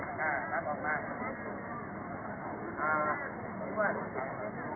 ก็จะมีอันดับอันดับอันดับอันดับอันดับอันดับ